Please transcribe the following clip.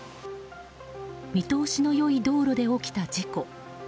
見通しの良い道路で起きた事故。